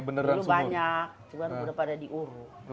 belum banyak cuma sudah pada diuruh